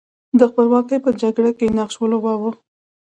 د خپلواکۍ په جګړه کې نقش ولوباوه.